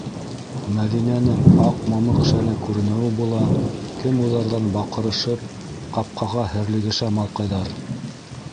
Мәҙинәнең аҡ мамыҡ шәле күренеүе була, кемуҙарҙан баҡырышып, ҡапҡаға һерлегешә малҡайҙар.